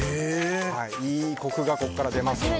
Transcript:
いいコクがここから出ますので。